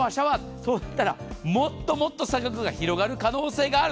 そうなったら、もっともっと差額が広がる可能性がある。